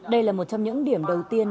đây là một trong những điểm đầu tiên